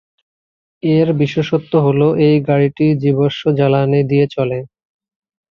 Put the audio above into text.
এর বিশেষত্ব হল এই গাড়িটি জীবাশ্ম জ্বালানি দিয়ে চলে।